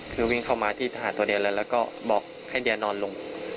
คือวิ่งเข้ามาที่หาตัวเดียเลยแล้วก็บอกให้เดียนอนลง